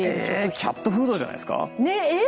キャットフードじゃないですか。